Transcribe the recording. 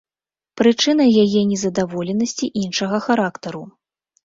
Прычына яе нездаволенасці іншага характару.